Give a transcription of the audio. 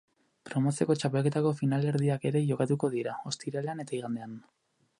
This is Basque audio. Promozioko txapelketako finalerdiak ere jokatuko dira, ostiralean eta igandean.